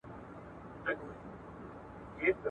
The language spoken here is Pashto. او په داخل او بهر کي یې ټول افغانان ویرجن کړل ,